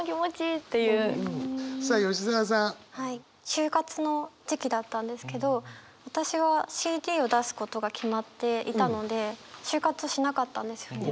就活の時期だったんですけど私はＣＤを出すことが決まっていたので就活しなかったんですよね。